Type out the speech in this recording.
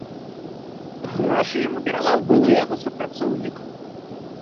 Грошы яму перадаў былы яго супрацоўнік.